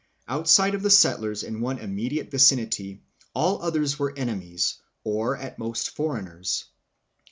Outside of the settlers in one immedi ate vicinity, all others were enemies or at most foreigners.